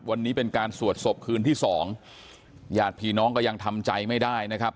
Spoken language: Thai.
วันนี้เป็นการสวดศพคืนที่สองญาติพี่น้องก็ยังทำใจไม่ได้นะครับ